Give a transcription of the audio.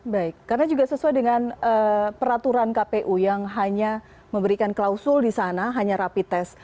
baik karena juga sesuai dengan peraturan kpu yang hanya memberikan klausul di sana hanya rapi tes